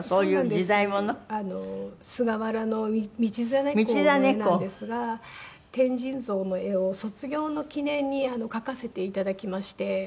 公の絵なんですが天神像の絵を卒業の記念に描かせて頂きまして。